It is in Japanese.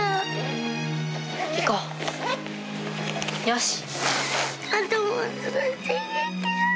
よし。